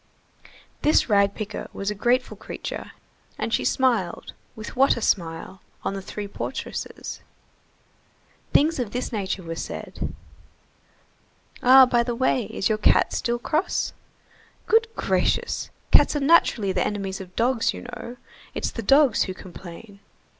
This rag picker was a grateful creature, and she smiled, with what a smile! on the three portresses. Things of this nature were said:— "Ah, by the way, is your cat still cross?" "Good gracious, cats are naturally the enemies of dogs, you know. It's the dogs who complain."